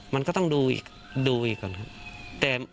มันก็ต้องดูอีกก่อนครับ